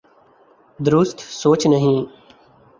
درست سوچ نہیں۔